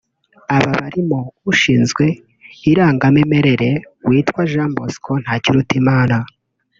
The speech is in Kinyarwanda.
Aba barimo ushinzwe irangamimerere witwa Jean Bosco Ntakirutimana